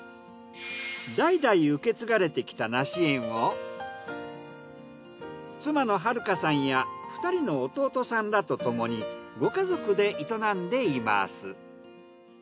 代々受け継がれてきた梨園を妻の春香さんや２人の弟さんらとともにご家族で営んでいます。